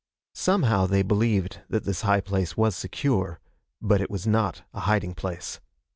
Somehow they believed that this high place was secure. But it was not a hiding place.